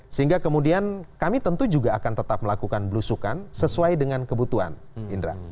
sehingga kemudian kami tentu juga akan tetap melakukan belusukan sesuai dengan kebutuhan indra